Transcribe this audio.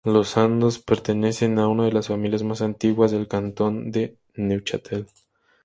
Los Sandoz pertenecen a una de las familias más antiguas del cantón de Neuchâtel.